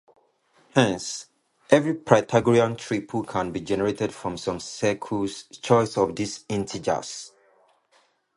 Hence, every Pythagorean triple can be generated from some choice of these integers.